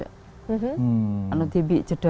mungkin pak umar bisa bantu boleh